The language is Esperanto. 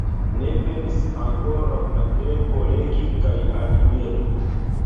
Ne venis ankoraŭ la tempo legi kaj admiri.